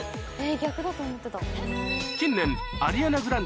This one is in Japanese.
逆だと思ってた。